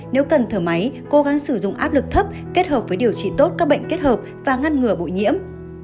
nếu cần thở máy cố gắng sử dụng áp lực thấp kết hợp với điều trị tốt các bệnh kết hợp và ngăn ngừa bụi nhiễm